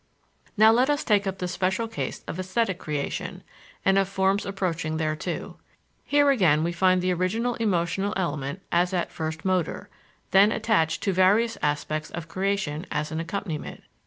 Now, let us take up the special case of esthetic creation, and of forms approaching thereto. Here again we find the original emotional element as at first motor, then attached to various aspects of creation, as an accompaniment.